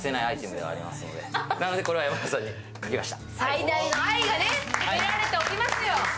最大の愛が込められておりますよ。